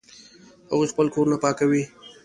هغوی خپلې کورونه پاکوي